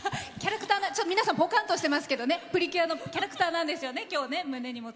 皆さんぽかんとしてますけどプリキュアのキャラクターなんですよね。